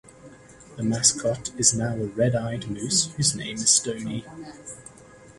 The mascot is now a red-eyed moose whose name is Stoney.